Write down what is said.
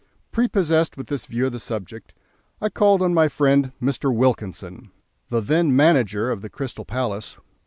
Prepossessed with this view of the subject, I called on my friend Mr. Wilkinson, the then manager of the Crystal Palace.